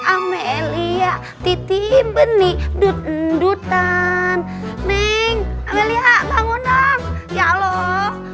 amelie bangun ya allah